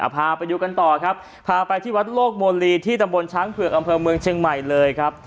ไปดูกันต่อครับพาไปที่วัดโลกบนลีที่ตะมรญช้างเผื่อกับเพราะเมืองเชียงใหม่เลยครับ